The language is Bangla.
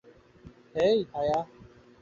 হেই, ভায়া।